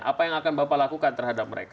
apa yang akan bapak lakukan terhadap mereka